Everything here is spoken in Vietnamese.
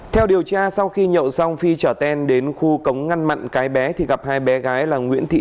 theo điều tra sau khi nhậu xong phi trở ten đến khu cống ngăn mặn cái bé thì gặp hai bé gái là nguyễn thị